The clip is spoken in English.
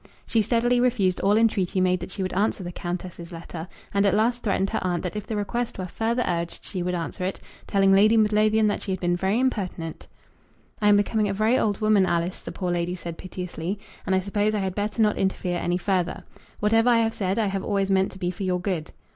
She steadily refused all entreaty made that she would answer the Countess's letter, and at last threatened her aunt that if the request were further urged she would answer it, telling Lady Midlothian that she had been very impertinent. "I am becoming a very old woman, Alice," the poor lady said, piteously, "and I suppose I had better not interfere any further. Whatever I have said I have always meant to be for your good."